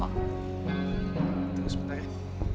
tunggu sebentar ya